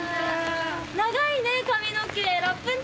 長いね、髪の毛。